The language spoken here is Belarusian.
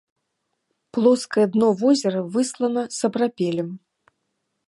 Плоскае дно возера выслана сапрапелем.